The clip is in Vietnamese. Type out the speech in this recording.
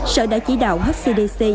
sở đã chỉ đạo hcdc